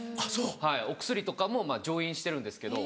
お薬とかも常飲してるんですけど。